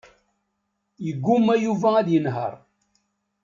Yegguma Yuba ad yenheṛ.